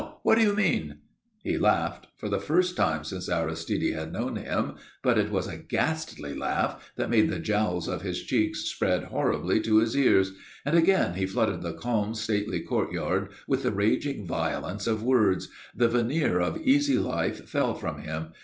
What do you mean?" He laughed for the first time since Aristide had known him but it was a ghastly laugh, that made the jowls of his cheeks spread horribly to his ears; and again he flooded the calm, stately courtyard with the raging violence of words. The veneer of easy life fell from him.